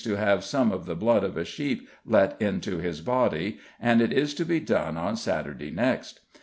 to have some of the blood of a sheep let into his body, and it is to be done on Saturday next.